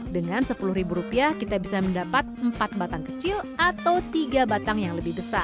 dengan sepuluh ribu rupiah kita bisa mendapat empat batang kecil atau tiga batang yang lebih besar